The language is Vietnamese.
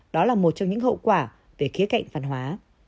đó là một trong những hậu quả về khía cạnh văn hóa